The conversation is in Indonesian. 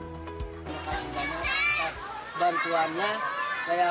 terima kasih banyak atas bantuannya